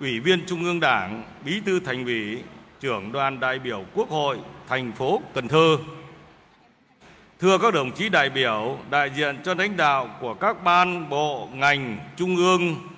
ủy viên trung ương đảng phó bí thư đảng ủy công an trung ương